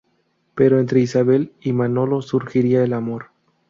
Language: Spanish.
Pero entre Isabel y Manolo surgirá el amor.